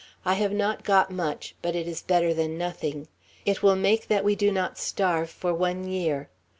I have not got much, but it is better than nothing. It will make that we do not starve for one year.